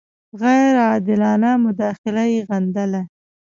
غیر عادلانه مداخله یې غندله.